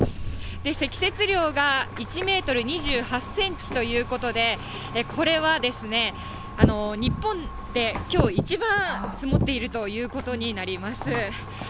積雪量が１メートル２８センチということで、これは日本できょう一番積もっているということになります。